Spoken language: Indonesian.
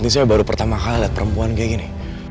saya baru pertama kali lihat perempuan kayak gini